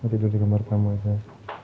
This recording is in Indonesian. mau tidur di kamar kamu sama saya